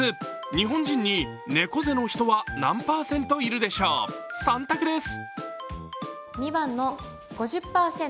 日本人に猫背の人は何パーセントいるでしょう、３択です。